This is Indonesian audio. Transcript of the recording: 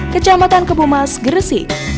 kecamatan kebumas gresik